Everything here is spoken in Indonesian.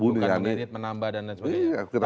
bukan mengedit menambahkan dan sebagainya